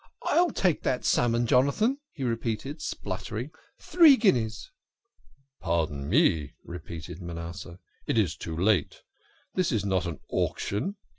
" I'll take that salmon, Jonathan," he repeated, splutter ing. " Three guineas." " Pardon me," repeated Manasseh, " it is too late. This is not an auction."